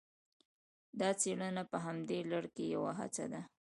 دا څېړنه په همدې لړ کې یوه هڅه ده